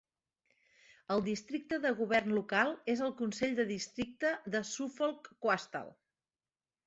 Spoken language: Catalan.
El districte del govern local és el consell del districte de Suffolk Coastal.